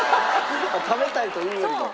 食べたいというよりも？